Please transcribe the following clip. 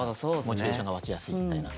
モチベーションが湧きやすいみたいな。